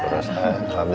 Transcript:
terus alhamdulillah baik